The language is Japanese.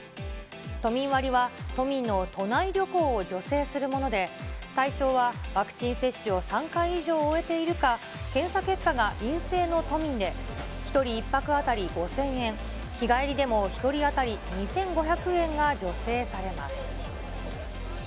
都民割は都民の都内旅行を助成するもので、対象はワクチン接種を３回以上終えているか、検査結果が陰性の都民で、１人１泊当たり５０００円、日帰りでも１人当たり２５００円が助成されます。